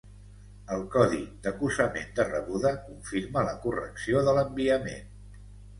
El codi d'acusament de rebuda confirma la correcció de l'enviament.